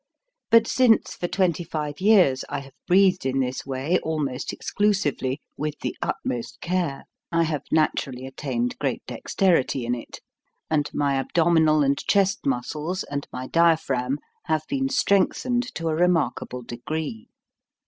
But since for twenty five years I have breathed in this way almost exclusively, with the utmost care, I have naturally attained great dexterity in it; and my abdominal and chest muscles and my diaphragm have been strengthened to a remarkable degree.